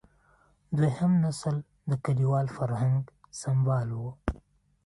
دویم نسل د کلیوال فرهنګ سمبال و.